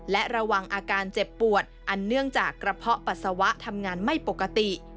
และระวังอาการเจ็บปวดอันเนื่องจากกระเพาะปัสสาวะทำงานไม่ปกติ